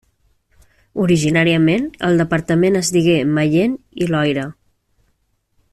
Originàriament, el departament es digué Mayenne i Loira.